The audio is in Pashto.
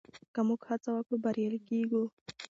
که موږ هڅه وکړو بریالي کېږو.